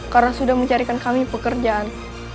karena sudah mencarikan kami pekerjaan